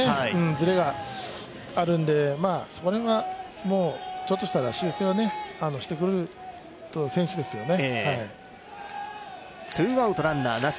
ずれがあるんで、そこら辺はちょっとしたら修正はしてくる選手ですよね。